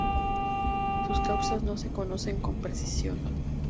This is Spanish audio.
Sus causas no se conocen con precisión.